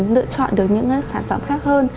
lựa chọn được những sản phẩm khác hơn